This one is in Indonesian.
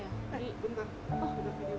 eh bentar sudah video call